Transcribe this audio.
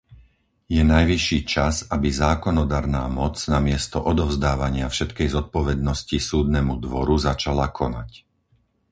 Je najvyšší čas, aby zákonodarná moc namiesto odovzdávania všetkej zodpovednosti Súdnemu dvoru začala konať.